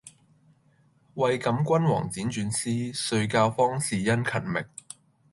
為感君王輾轉思，遂教方士殷勤覓。